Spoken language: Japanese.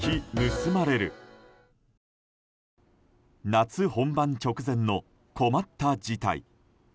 夏本番直前の困った事態。